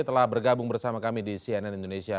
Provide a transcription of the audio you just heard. telah bergabung bersama kami di cnn indonesia